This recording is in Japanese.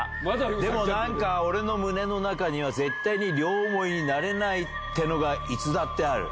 でもなんか俺の胸の中には絶対に両思いになれないっていうのがいつだってある。